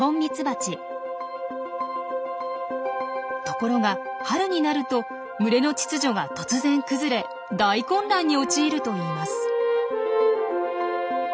ところが春になると群れの秩序が突然崩れ大混乱に陥るといいます。